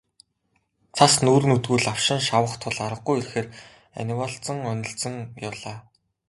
Цас нүүр нүдгүй лавшин шавах тул аргагүйн эрхээр анивалзан онилзон явлаа.